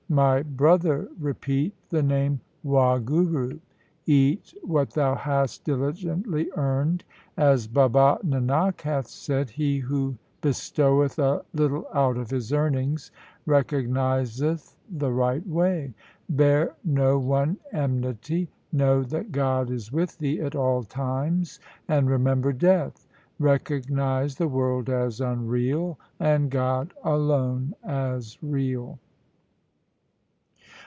' My brother, repeat the name Wahguru. Eat what thou hast diligently earned. As Baba Nanak hath said, " He who bestoweth a little out of his earnings recognizeth the right way." Bear no one enmity. Know that God is with thee at all times and remember death. Recog nize the world as unreal, and God alone as real.'